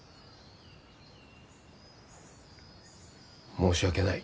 申し訳ない。